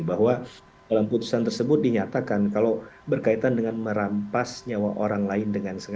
bahwa dalam putusan tersebut dinyatakan kalau berkaitan dengan merampas nyawa orang lain